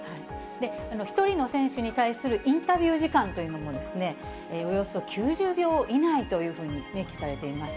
１人の選手に対するインタビュー時間というのも、およそ９０秒以内というふうに明記されています。